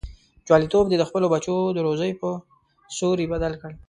جواليتوب دې د خپلو بچو د روزۍ په سوري بدل کړ.